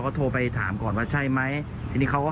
คุณธิชานุลภูริทัพธนกุลอายุ๓๔